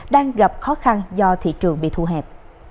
đang gặp khó khăn do thị trường bị thu hẹp